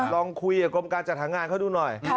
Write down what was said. ลองคุยกับกรมการจัดหางานเขาดูหน่อย